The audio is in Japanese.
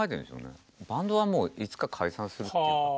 バンドはいつか解散するっていう。